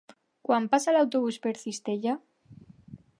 Quan passa l'autobús per Cistella?